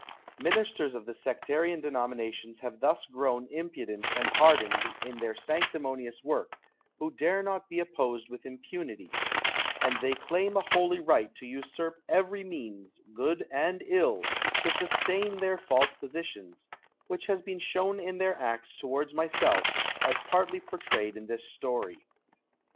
Ministers of the sectarian denominations have thus grown impudent and hardened in their sanctimonious work, who dare not be opposed with impunity ; and they claim a holy right to usurp every means, good and ill, to sustain their false positions, which has been shown in their acts toward myself, as partly portrayed in tliis story.